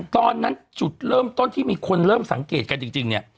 ตอนนั้นจุดเริ่มต้นที่มีคนเริ่มสังเกตกันจริงเนี่ย